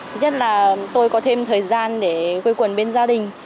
thứ nhất là tôi có thêm thời gian để quê quần bên gia đình